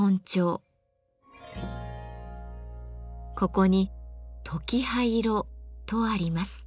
ここに「とき羽色」とあります。